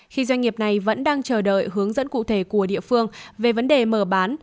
khi doanh nghiệp này vẫn đang chờ đợi hướng dẫn cụ thể của địa phương về vấn đề mở bán